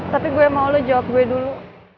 tapi gue mau lo jawab gue dulu